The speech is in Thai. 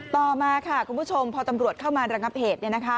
ต่อมาค่ะคุณผู้ชมพอตำรวจเข้ามาระงับเหตุ